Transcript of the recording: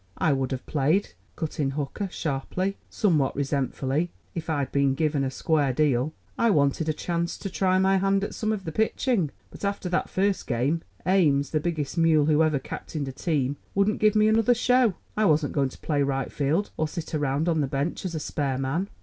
"I would have played," cut in Hooker sharply, somewhat resentfully, "if I'd been given a square deal. I wanted a chance to try my hand at some of the pitching; but, after that first game, Ames, the biggest mule who ever captained a team, wouldn't give me another show. I wasn't going to play right field or sit around on the bench as a spare man."